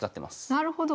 なるほど。